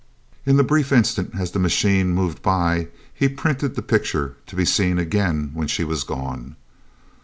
In the brief instant as the machine moved by, he printed the picture to be seen again when she was gone.